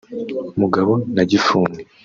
Mugabo na Gifuni